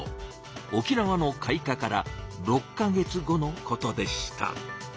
沖縄の開花から６か月後のことでした。